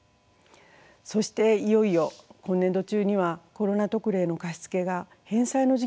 そしていよいよ今年度中にはコロナ特例の貸し付けが返済の時期を迎えます。